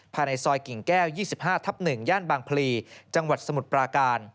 ภายในซอยกิ่งแก้ว๒๕ทับ๑ย่านบางพลีจังหวัดสมุทรปราการ